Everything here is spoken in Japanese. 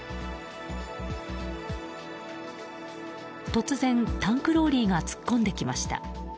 突然タンクローリーが突っ込んできました。